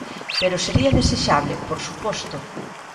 Pero sería desexable, por suposto.